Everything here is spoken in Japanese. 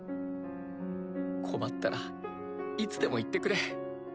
困ったらいつでも言ってくれ。